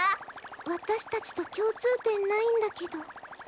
私たちと共通点ないんだけど。